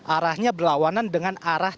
arahnya berlawanan dengan arah